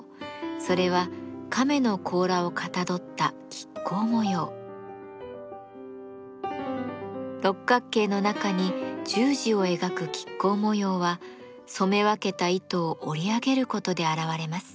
それは亀の甲羅をかたどった六角形の中に十字を描く亀甲模様は染め分けた糸を織り上げることで現れます。